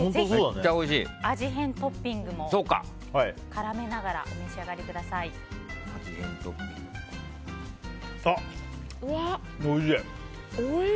ぜひ味変トッピングも絡めながらお召し上がりください。